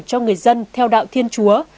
cho người dân theo đạo thiên chúa